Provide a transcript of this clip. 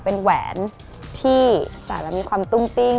เป็นแหวนที่ใส่แล้วมีความตุ้งติ้ง